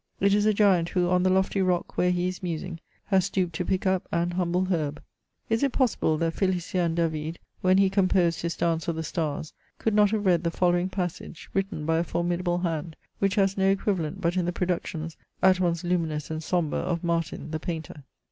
It is a giant, who, on the lofty rock where he is musing, has stooped to pick up an humble herb. Is it possible that Felicien David, when he composed his Dance of the Stars, could not have read the foUowii^ passage, written by a formidable hand, which has no equivalent but in the productions, at once luminous and sombre, of Martin, the painter